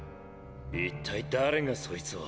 一体誰がそいつを。